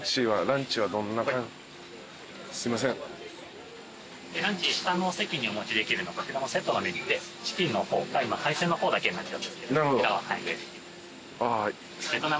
ランチ下のお席にお持ちできるのこちらのセットのメニューでチキンのフォーか今海鮮のフォーだけになっちゃうんですけど。